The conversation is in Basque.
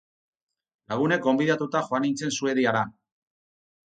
Lagunek gonbidatuta joan nintzen Suediara.